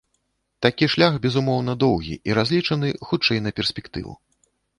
Такі шлях, безумоўна, доўгі, і разлічаны, хутчэй, на перспектыву.